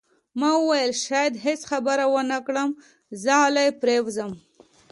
ما وویل: شاید هیڅ خبرې ونه کړم، زه غلی پرېوځم.